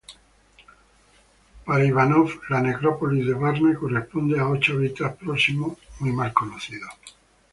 Para Ivanov, la necrópolis de Varna corresponde a ocho hábitats próximos, muy mal conocidos.